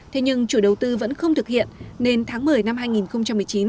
thế nhưng chủ đầu tư vẫn không thực hiện nên tháng một mươi năm hai nghìn một mươi chín